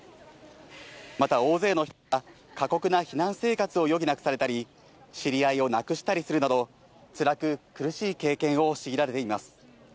また大勢の人が過酷な避難生活を余儀なくされたり、知り合いを亡くしたりするなど、つらく苦しい経験を強いられています。